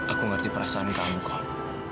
aku ngerti perasaan kamu kok